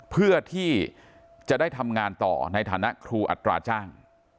เพื่อที่จะได้ทำงานต่อในฐานะครูอัตราจ้าง